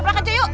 leprakan cuy yuk